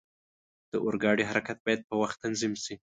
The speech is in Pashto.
د اورګاډي حرکت باید په وخت تنظیم شي.